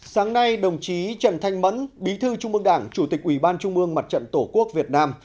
sáng nay đồng chí trần thanh mẫn bí thư trung mương đảng chủ tịch ủy ban trung mương mặt trận tổ quốc việt nam